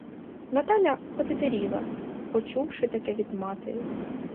Наталя отетеріла, почувши таке від матері.